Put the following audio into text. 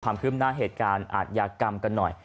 ขึ้นหน้าเหตุการณ์อาทยากรรมกันหน่อย